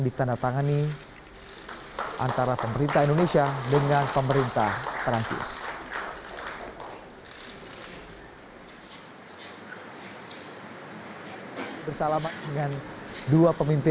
ditandatangani antara pemerintah indonesia dengan pemerintah perancis bersalaman dengan dua pemimpin